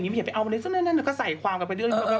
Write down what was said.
พี่กิ๊บก็ใส่ความกลับไปด้วย